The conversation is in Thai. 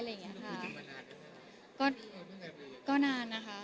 คุยกันมานานหรือเปล่า